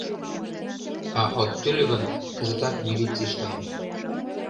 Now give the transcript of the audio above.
А от тӱлӧ гын, кызытак милицийыш каем.